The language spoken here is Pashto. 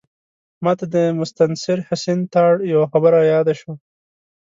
ماته د مستنصر حسین تارړ یوه خبره رایاده شوه.